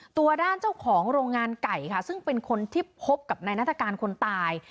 ตัวด้านเจ้าของโรงงานไก่ค่ะซึ่งเป็นคนที่พบกับนายนัฐกาลคนตาย